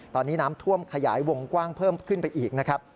ตอนนี้น้ำท่วมขยายวงกว้างเพิ่มขึ้นไปอีกนะครับ